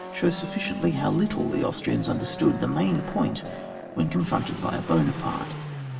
show sufficiently how little the Austrians understood the main point when con fronted by a Buonaparte.